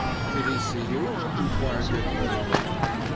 "Did he see you?" enquired Dick Little.